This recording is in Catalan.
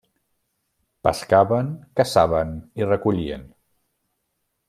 Pescaven, caçaven i recollien.